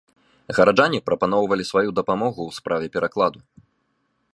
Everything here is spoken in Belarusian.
Гараджане прапаноўвалі сваю дапамогу ў справе перакладу.